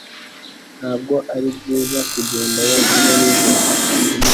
Ntabwo ari byiza kugenda wenyine nijoro.